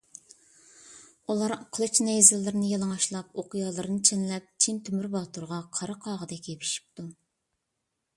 ئۇلار قىلىچ-نەيزىلىرىنى يالىڭاچلاپ، ئوقيالىرىنى چەنلەپ، چىن تۆمۈر باتۇرغا قارا قاغىدەك يېپىشىپتۇ.